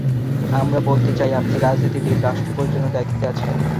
আমরা বলতে চাই, আপনি রাজনীতিবিদ, রাষ্ট্র পরিচালনার দায়িত্বে আছেন।